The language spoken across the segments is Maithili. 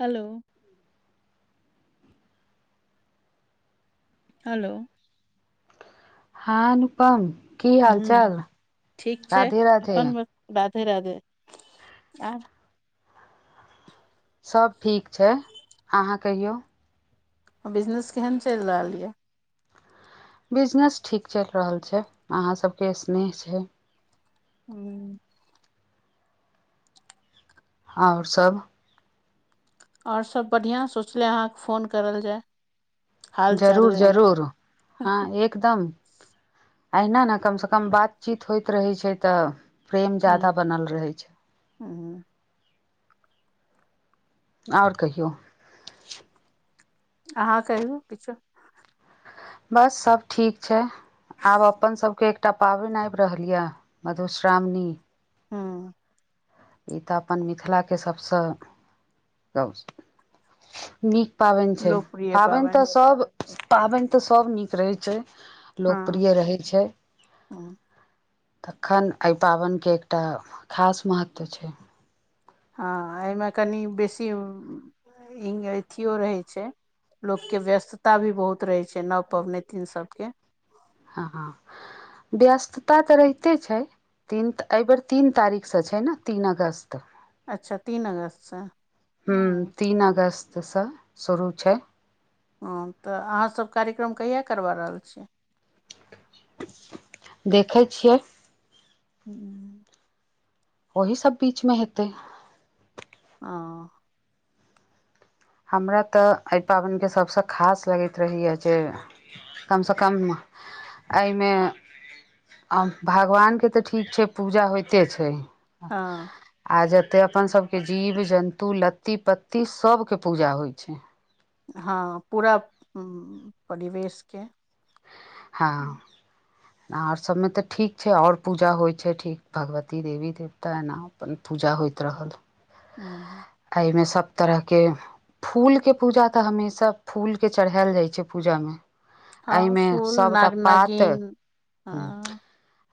हेलो हलो हँ अनुपम की हाल हूँ चाल ठीक छै राधे राधे अपन ब- राधे राधे आ सब ठीक छै अहाँ कहियौ बिजनेस केहन चलि रहल यऽ बिजनेस ठीक चलि रहल छै अहा सब के स्नेह छै ह [unintelligible] आओर सभ आओर सभ बढ़िआँ सोचले अहाँकेँ फोन करल जाय हाल चाल जरूर लै ले जरूर हँ एक एकदम एहिना न कमस कम बातचीत होइत रहै छै त प्रेम जादा बनल रहे छै ह्म आओर कहियौ अहाँ कहियू किछो बस सब ठीक छै आब अपनसभके एकटा पाबनि आबि रहल यए मधुश्रावणी हु ई तऽ अपन मिथिलाके सभसँ गौ नीक पाबनि छै पाबनि तऽ सब पाबनि तऽ सभ नीक रहैत छै हँ लोकप्रिय रहैत छै हम्म, तखन एहि पाबनिके एकटा खास महत्व छै हँ एहिमे कनि बेसी अथिियओ रहै छै लोकके व्यस्तता भी बहुत रहै छै नव पबनैतिन सबके हँ हँ व्यस्तता तऽ रहिते छै तीन एहिबेर तीन तारीखसँ छै ने तीन अगस्त अच्छा तीन अगस्तसँ ओ हूँ तीन अगस्तसँ शुरू छै हँ तऽ अहाँसभ कार्यक्रम कहिया करबा रहल छियै देखै छियै हू [unintelligible] ओहि सब बीच मे हेतै ह हमरा तऽ एहि पाबनिके सभसँ खास लगैत रहैए जे कमसँ कम एहिमे भगवानके तऽ ठीक छै पूजा होइते छै हँ आ जते अपन सबके जीव जन्तु लत्ती पत्ती सबके पूजा होइ छै हँ पूरा परिवेशके हँ ना आओर सबमे तऽ ठीक छै आओर पूजा होइ छै ठीक भगवती देवी देवता एना अपन पूजा होइत रहल ह एहिमे सभ तरहके फूलके पूजा तऽ हमेशा फूलके चढ़ायल जाइत छै पूजामे हँ फूल सब टा नाग पात नागिन हँ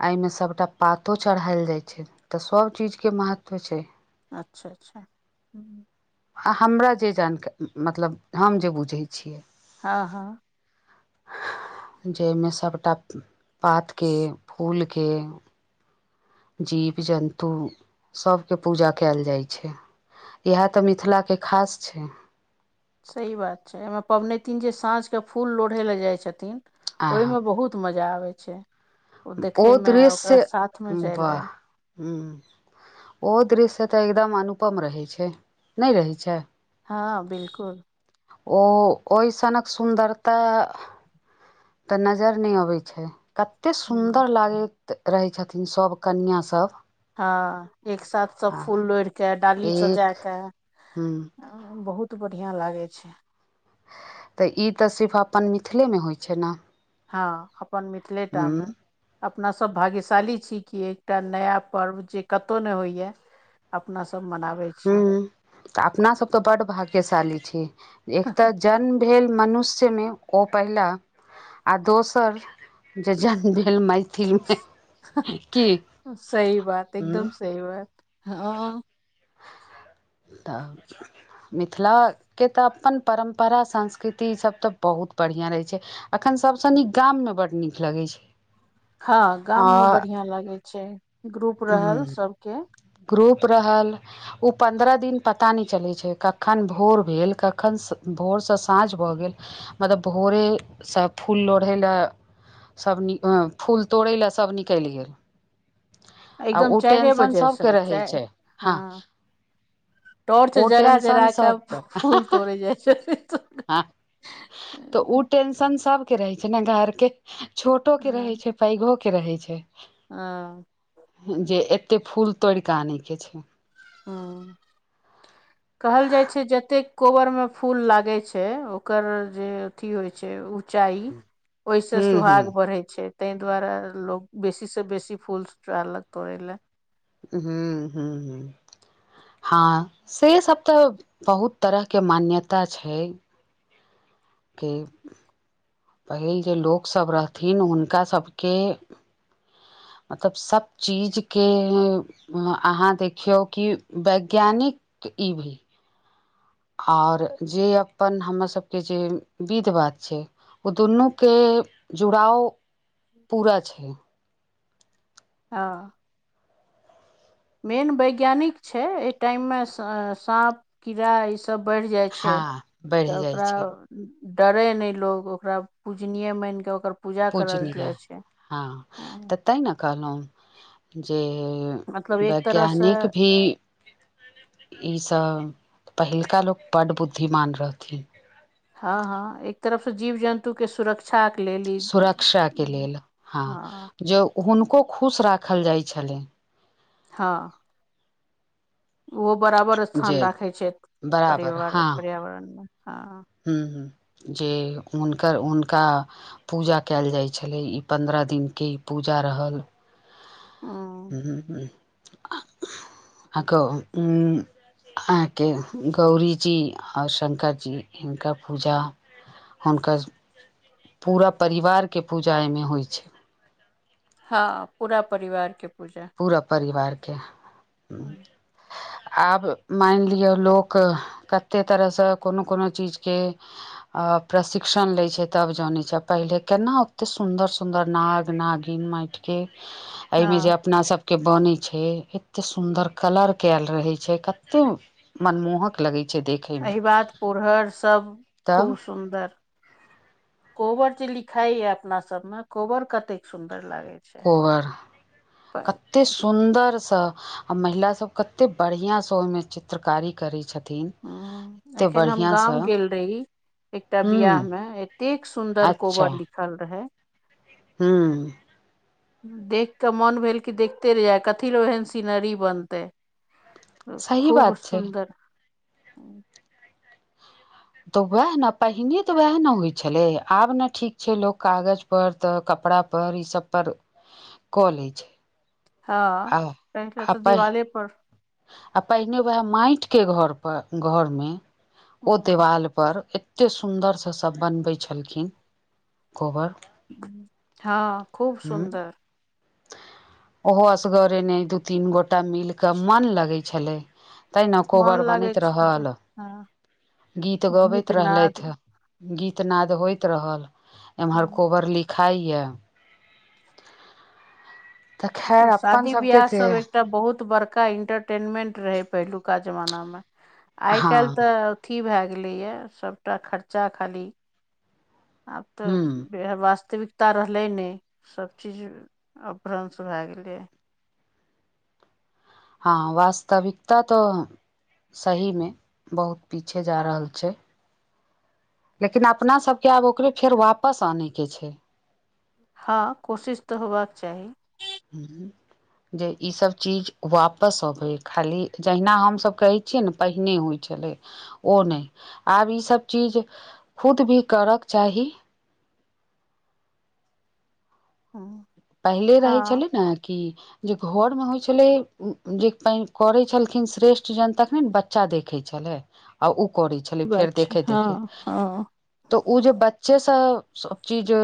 एहिमे सभटा पातो चढ़ायल जाइ छै तऽ सभ चीजके महत्व छै अच्छा अच्छा ह आ हमरा जे जानकार मतलब हम जे बुझैत छियै हँ हँ जाहिमे सबटा पात के फूल के जीव जन्तु सभके पूजा कयल जाइ छै इएह तऽ मिथिलाके खास छै सही बात छै एहिमे पबनैतिन जे साँझके फूल लोढ़य लेल जाइत छथिन आहा ओहिमे बहुत मजा आबै छै ओ देखय मे ओकरा दृश्य साथ मे जाय ले वाह ह ओहो दृश्य तऽ एकदम अनुपम रहै छै नहि रहैत छै हँ बिलकुल ओ ओहिसनक सुन्दरता तऽ नजरि नहि अबैत छै एते सुन्दर लागैत रहै छथिन सभ कनिआ सब हँ एक सााथ सब आ फूल लोढ़ि कऽ डाली स एक जाय कऽ हूँ बहुत बढ़िया लागे छै तऽ ई तऽ सिर्फ अपन मिथिलेमे होइत छै ने हँ अपन मिथिलेटा हूँ मे अपनासभ भाग्यशाली छी कि एकटा नया पर्व जे कतहु नहि होइए अपनासभ मनाबै छीयै हूँ तऽ अपनासभ तऽ बड भाग्यशाली छी एक तऽ जन्म भेल मनुष्यमे ओ पहिला आओ दोसर जे जन्म भेल मैथिलमे की सही बात एकदम हूँ सही बात हँ तब मिथिलाके तऽ अपन परम्परा संस्कृति ईस तऽ बहुत बढ़िआँ रहै छै एखन सभसँ नीक गाममे बड्ड नीक लगैत छै हँ गाम में आ बढ़िया लागे छै ग्रुप रहल सबके ग्रुप रहल ओ पन्द्रह दिन पता नहि चलैत छै कखन भोर भेल कखन भोरसँ साँझ भऽ गेल मतलब भोरेसँ फूल लोढ़य लए सब नि फूल तोड़ै लए सब निकलि गेल आ एकदम ओ चायरे टेंशन बजेस सबके रहै चाय छै हँ टॉर्च ओ जरा टेंशन जरा के सबके फूल तोड़े जाय छै हँ तऽ ओ टेंशन सबके रहै छै ने घर के छोटो के रहै हँ छै पैघो के रहै छै हँ जे एतेक फूल तोड़िकऽ आनैके छै हँ [inaudible] कहल जाइ छै जतेक कोबर में फूल लागे छै ओकर जे अथी होइ छै चाइ ओहिसँ हूँ सुहाग हूँ बढ़ै छै तै दुआरे लोग बेसी से बेसी फूल चारलक तोड़े ल हूँ हूँ हूँ हँ से सब तऽ बहुत तरहके मान्यता छै के पहिल जे लोकसभ रहथिन हुनका सभके मतलब सभ चीजके अहाँ देखियौ कि वैज्ञानिक ई भी आओर जे अपन हमर सबके जे विध बाध छै ओ दुनूके जुड़ाओ पूरा छै हँ मेन वैज्ञानिक छै एहि टाइम मे साँप कीड़ा ई सब बढ़ि जाइ छै हँ बढ़ि तऽ जाइ ओकरा छै डरै नहि लोगो ओकरा पूजनीय माइन कऽ ओकर पूजा करल जाइ छै हं तैऽ न कहलहुँ जे मतलब एक तरहसँ वैज्ञानिक भी ईसभ पहिलका लोक बड बुद्धिमान रहथिन हँ हँ एक तरफसँ जीव जन्तु के सुरक्षा के लेल ई सुरक्षाक के लेल हँ जे हुनको खुश राखल जाइ छलनि हँ ओहो बराबर स्थान जे राखै छै बराबर परिवार पर्यावरणमे हँ ह्म ह्म जे हुनकर हुनका पूजा कयल जाइ छलय ई पन्द्रह दिनके ई पूजा रहल ह [unintelligible] अह ग अहाँके गौरीजी आओर शंकर जी हिनकर पूजा हुनकर पूरा परिवारके पूजा एहिमे होइ छै हँ पूरा परिवारके पूजा पूरा परिवारके आब मानि लिय लोक कतेक तरहसँ कोनो कोनो चीजके अ प्रशिक्षण लै छै तब जानै छै पहिले केना ओते सुन्दर सुन्दर नाग नागिन माइट के एहिमे जे हँ अप अपना सब के बने छै एत्ते सुंदर कलर कयल रहे छै कत्ते मनमोहक लगै छै देख एहि बात पुरहर सब तब खूब सुन्दर कोबर जे लिखाइ य अपना सब मे कोबर कत्ते सुन्दर लागे कोबर क कते सुंदर से आ महिला सब कते बढ़िया से ओहि मे चित चित्रकारी करै छथिन ह एते एखन हम बढ़िआँसँ गाँं गेल रही एकटा हूँ बियाह मे एते सुंदर कोबर लिख पसंद रहै हँ देख कऽ मोन भेल कि देखते रहि जाय कथी लो एहन सीनरी बनतै सही खूब बात छै सुन्दर तऽ वएह ने पहिने तऽ वएह ने होइ छलै आब ने ठीक छै लोक कागज पर तऽ कपड़ा पर इ सब पर क ले छै हँ आ पहिल तऽ आ पहि दिवाले पर आ पहिने वएह माटि के घर पर घर मे ओ देवाल पर एतेक सुन्दरसँ सभ बनबै छलखिन कोबर हँ खूब ह सुन्दर ओहो असगरेने दू तीन गोटा मिल क मन लगे छले तेहि ने मोन कोबर लागै बनैत छै तऽ रहल हँ गीत गबैत रहलथि गीतनाद होइत रहल एम्हर हँ, कोबर लिखाइए तऽ खैर अपन शादी सबके बियाह सब तऽ एकटा बहुत बड़का इंटर टेनमेंट रहै पहिलुका जमानामे आइ हँ काल्हि तऽ अथी भए गेलैए सबटा खर्चा खाली आब ह तऽ वास्तविकता रहलै नहि सब चीज अभ्रंश भए गेलै हँ वास्तविकता तऽ सहीमे बहुत पीछे जा रहल छै लेकिन अपना सबके आब ओकरे फेर वापस आनैके छै हँ कोशिश तऽ होबाक चाही जे ईसभ चीज वापस अबै खाली जहिना हमसभ कहैत छिय ने पहिने होइ छलै ओ नहि आब ईसभ चीज खुद भी करऽके चाही हँ पहिले रहै हँ छलै ने कि जे घर में होइ छले जे करे छलखिन श्रेष्ठ जन तखने बच्चा देखैत छलै आ ओ करै छलै ई बात फेर छै देखैत हँ देखैत हँ तऽ ओ जे बच्चे सब सब चीज उ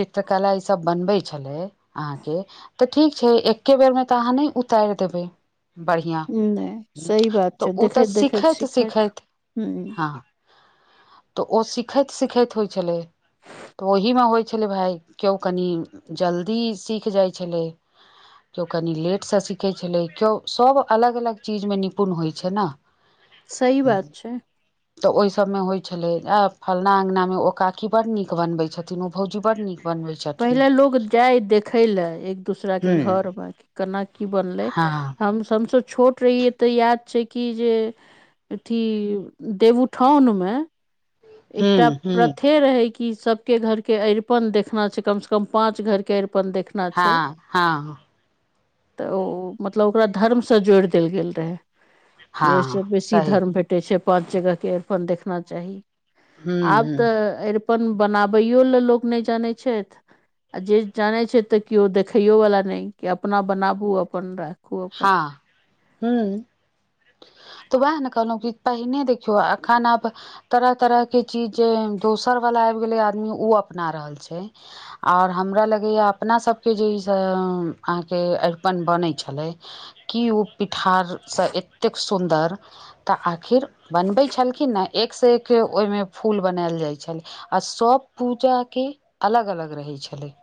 चित्रकला ई सब बनबे छै अहाँ तऽ ठीक छै एक बेर मे तऽ अहाँ उतार देबै बढ़िआँ नहि ह सही बात तऽ छै ओ तऽ देखैत देखैत सिखैत सिखैत ह हँ तऽ ओ सीखैत सीखैत होइत छलै तऽ ओहीमे होइ छलै भाय केओ कनि जल्दी सीख जाइ छलै केओ कनि लेटसँ सीखै छलै केओ सभ अलग अलग चीजमे निपुण होइत छै ने सही बात छै तऽ ओहि सब मे होइ छलै आ फलना अङंगगना में ओ काकी बड़ नीक बनबै छथिन ओ भौजी बड नीक बनबै छथिन लो जाय देखय लए एक दूसरााक के हूँ घरमे कि केना की बनलै हँ हम हमस छोट ते याद छै की जे अथी देवउठाउन मे एकटा हूँ हूँ प्रथे रहै क सब के घर के अरिपन देखना छै कम से कम पाच घर के अरिपन देखना छै हँ हँ तऽ ओ मतलब ओकरा धर्मसँ जोड़ि देल गेल रहै कि हँ ओहिसँ बेसी सही धर्म भेटैत छै पाँच जगहके अरिपन देखना चाही हूँ आब हूँ तऽ अरिपन बनाबैयो ल लोक नहि जानै छथि आ जे जानै छथि तऽ केओ देखैयोवला नहि कि अपना बनाबू अपन राख हँ हू तऽ वएह न कहलहु कि पहिने देखियौ अखन आब तरह तरह के चीज जे दोसर वालला आबि गेलै आदमी ओ अपना रहल छै आओर हमरा लगैए अपनासभके जे ईसभ अहाँके अरिपन बनै छलै की ओ पिठारसँ एतेक सुन्दर तऽ आखिर बनबै छलखिन नऽ एक सँ एक ओहिमे फूल बनायल जाइ छलै आ सभ पूजा के अलग अलग रहै छलै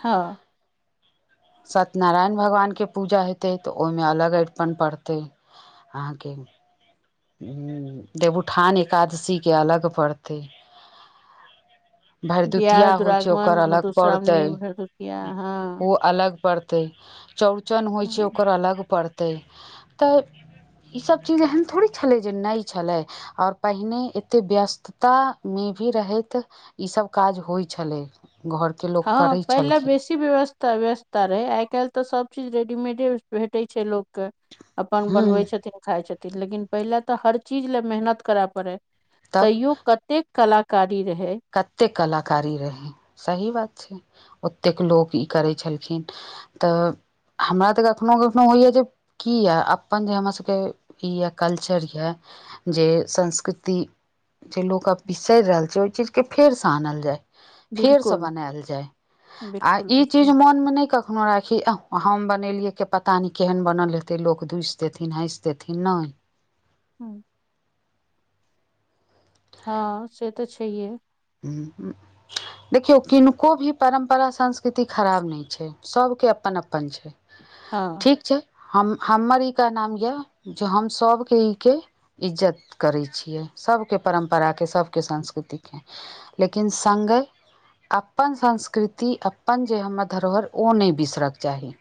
हँ सत्यनारायण भगवानके पूजा हेतै तऽ ओहिमे अलग अरिपन पड़तै अहाँके देवउठान एकादशीके अलग पड़तै भरदुतिया बियाह होइ छै दुरागमन ओकर अलग पड़ते मधुश्रावणी भरदुतिया हँ ओ अलग पड़त चौरचन होइ छै हूँ ओकर अलग पड़त तऽ ई सब चीज एहेन थोड़ि छलै जे नइ छलैय आओर पहिने एते व्यस्तता मे भी रहैत ईसभ काज होइ छलै घरके लोक करैत छलखिन की व्यवस्था व्यवस्था रहे आइ काल्हि तऽ सब चीज रेडीमेडे भेटै छै लोक क अपन हूँ बनबै छथिन खाय छथिन लेकिन पहिले तऽ हर चीज ले मेहनत करय पड़े तब तैयो कतेक कलाकारी रहय कतेक कलाकारी रहै सही बात छै ओतेक लोक ई करै छलखिन तऽ हमरा तऽ कखनो कखनो होइय जे की यए अपन जे हमरासभ कऽ ई यए कल्चर य जे संस्कृति जे लोक आब बिसरि रहल छै ओहि चीज के फेर से आनल जाय फेर से बिलकुल बनायल जाय आ बिलकुल ई चीज बिलकुल मोन मे नहि क कखनो राखी एह हम बनेलियै के पता नहि केहन बनल हेतै लोक दुसि देथिन हँसि देथिन नहि हँ हँ से तऽ छैहे देखियो किनको भी परम्परा संस्कृति खराब नहि छै सभके अपन अपन छै हँ ठीक छै हम हमर ई नाम यऽ जे हम सभके ई के इज्जत करै छियै सभके परम्पराके सभके संस्कृतिके लेकिन संगहि अपन संस्कृति अपन जे हमर धरोहर ओ नहि बिसरऽ के चाही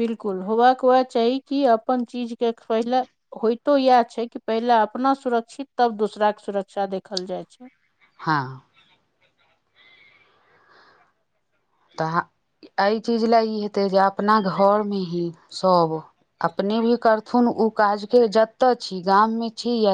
बिलकुल होबाक वैह चाही कि अपन चीजके पहिले होइतो इएह छै कि पहिले अपना सुरक्षित तब दोसराके सुरक्षा देखल जाइत छै हँ तऽ एहि चीज लए ई हेतै जे अपना घरमे ही सभ। अपने भी करथुन उ काज के जते छी गामं छी या